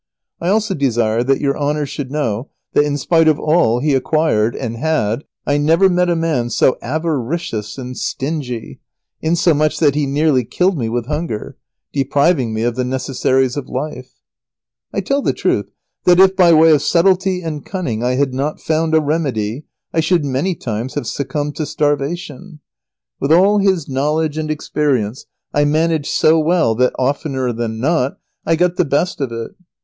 I also desire that your Honour should know that, in spite of all he acquired and had, I never met a man so avaricious and stingy, insomuch that he nearly killed me with hunger, depriving me of the necessaries of life. [Sidenote: The blind man's way of making money and his avarice.] I tell the truth, that if, by way of subtlety and cunning, I had not found a remedy, I should many times have succumbed to starvation. With all his knowledge and experience, I managed so well that, oftener than not, I got the best of it.